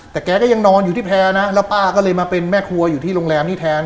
แต่แกก็ยังนอนอยู่ที่แพร่นะแล้วป้าก็เลยมาเป็นแม่ครัวอยู่ที่โรงแรมนี้แทน